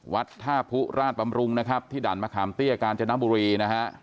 วัดท่าผู้ราชบำรุงนะครับที่ด่านมะขามเตี้ยกาญจนบุรีนะฮะ